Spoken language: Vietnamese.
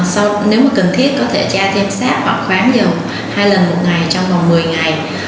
sau đó nếu cần thiết có thể tra thêm sáp hoặc khoáng dầu hai lần một ngày trong vòng một mươi ngày